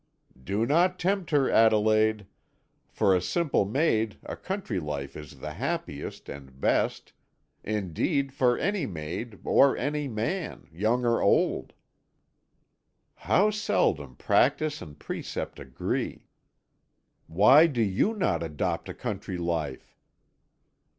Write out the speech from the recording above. "Do not tempt her, Adelaide. For a simple maid a country life is the happiest and best indeed, for any maid, or any man, young or old." "How seldom practice and precept agree! Why do you not adopt a country life?"